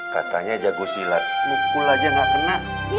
katanya jago silat ngulajar enggak kena ya